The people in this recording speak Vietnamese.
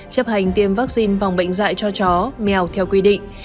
chấp hành tiêm vaccine phòng bệnh dạy cho chó mèo theo quy định